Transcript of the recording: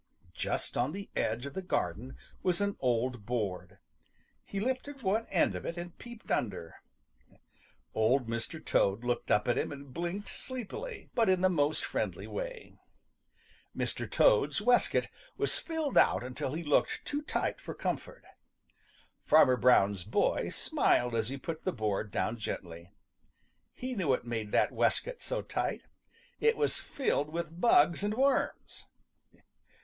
Just on the edge of the garden was an old board. He lifted one end of it and peeped under. Old Mr. Toad looked up at him and blinked sleepily, but in the most friendly way. Mr. Toad's waistcoat was filled out until it looked too tight for comfort. Fanner Brown's boy smiled as he put the board down gently. He knew what made that waistcoat so tight; it was filled with bugs and worms.